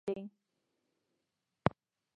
دې غزلي یو دوه بیته نذیر احمد تائي بل راز ویلي.